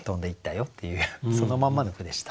そのまんまの句でした。